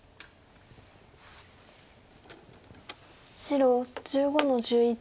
白１５の十一。